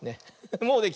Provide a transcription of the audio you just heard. もうできた。